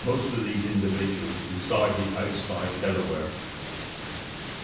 Most of these individuals resided outside Delaware.